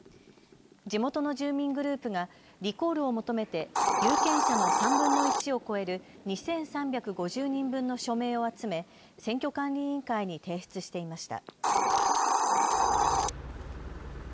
地元の住民グループがリコールを求めて有権者の３分の１を超える２３５０人分の署名を集め選挙管理委員会に提出していました。